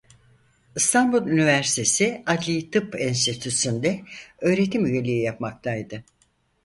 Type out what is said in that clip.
İstanbul Üniversitesi Adli Tıp Enstitüsü'nde öğretim üyeliği yapmaktaydı.